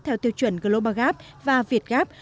theo tiêu chuẩn global gap và việt gap